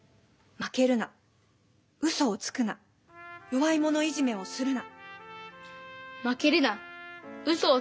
負けるなうそをつくな弱い者いじめをするな。